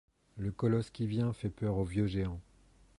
Le colosse qui vient fait peur aux vieux géants ;